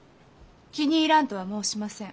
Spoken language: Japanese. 気に入らんとは申しません。